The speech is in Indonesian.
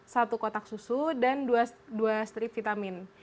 satu kotak susu dan dua strip vitamin